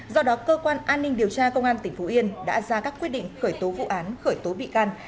do đó cơ quan an ninh điều tra công an tỉnh phú yên đã ra các quyết định khởi tố vụ án khởi tố bị can